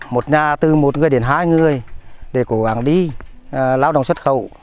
một nhà từ một người đến hai người để cố gắng đi lao động xuất khẩu